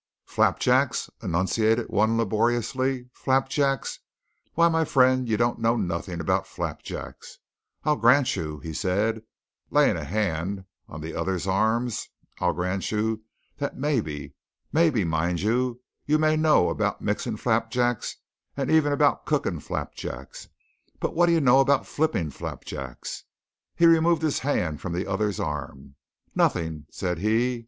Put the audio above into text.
"Flapjacks?" enunciated one laboriously; "flapjacks? Why, my fren', you don't know nothin' about flapjacks. I grant you," said he, laying one hand on the other's arm, "I grant ye that maybe, maybe, mind you, you may know about mixin' flapjacks, and even about cookin' flapjacks. But wha' do you know about flippin' flapjacks?" He removed his hand from the other's arm. "Nawthin!" said he.